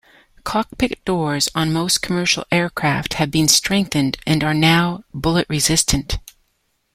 Cockpit doors on most commercial aircraft have been strengthened and are now bullet resistant.